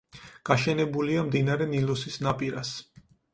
გაშენებულია მდინარე ნილოსის ნაპირას.